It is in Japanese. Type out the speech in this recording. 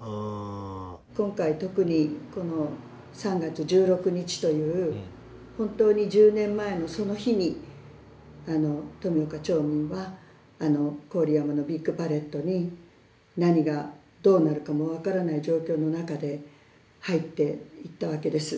今回特にこの３月１６日という本当に１０年前のその日に富岡町民は郡山のビッグパレットに何がどうなるかも分からない状況の中で入っていったわけです。